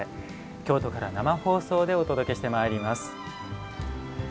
京都から生放送でお届けします。